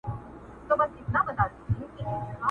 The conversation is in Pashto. o کله ادې لاندي، کله بابا٫